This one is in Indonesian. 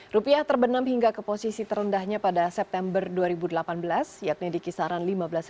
rupiah terbenam hingga ke posisi terendahnya pada september dua ribu delapan belas yakni di kisaran lima belas